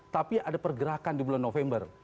tapi ada pergerakan di bulan november